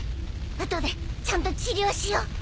後でちゃんと治療しよう。